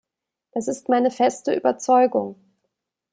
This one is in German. Das ist meine feste Überzeugung.